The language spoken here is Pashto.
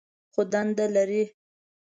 خو دنده لري.